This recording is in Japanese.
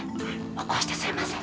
起こしてすみません。